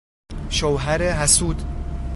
شوهر حسود